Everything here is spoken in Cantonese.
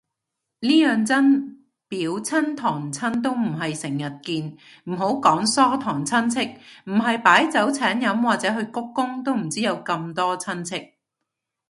呢樣真，表親堂親都唔係成日見，唔好講疏堂親戚，唔係擺酒請飲或者去鞠躬都唔知有咁多親戚